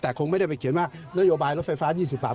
แต่คงไม่ได้ไปเขียนว่านโยบายรถไฟฟ้า๒๐บาท